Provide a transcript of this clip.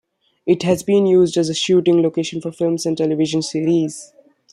It has been used as a shooting location for films and television series.